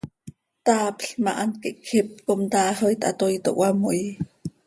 Taapl ma, hant quih cjip com taax oo it hatoii, toc cöhamoii.